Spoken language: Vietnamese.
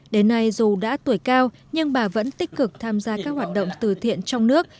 đến nay dù đã tuổi cao nhưng bà vẫn tích cực tham gia các hoạt động từ thiện trong nước